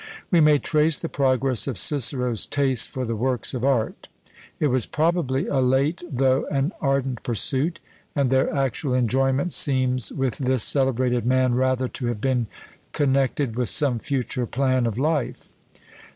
We may trace the progress of Cicero's taste for the works of art. It was probably a late, though an ardent pursuit; and their actual enjoyment seems with this celebrated man rather to have been connected with some future plan of life.